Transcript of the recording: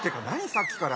さっきから。